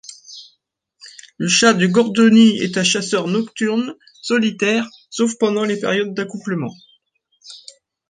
Le chat de Gordoni est un chasseur nocturne, solitaire sauf pendant les périodes d'accouplement.